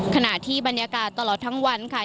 ขณะที่บรรยากาศตลอดทั้งวันค่ะ